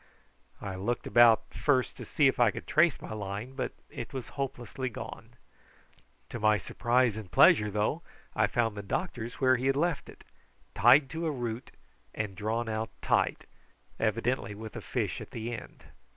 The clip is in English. I looked about first to see if I could trace my line, but it was hopelessly gone. To my surprise and pleasure, though, I found the doctor's where he had left it, tied to a root and drawn out tight, evidently with a fish at the end.